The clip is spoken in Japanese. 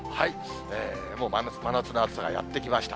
もう真夏の暑さがやって来ました。